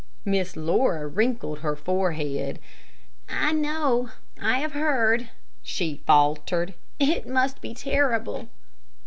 Miss Laura wrinkled her forehead. "I know I have heard," she faltered. "It must be terrible."